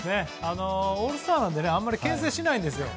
オールスターなのであまり牽制しないんです。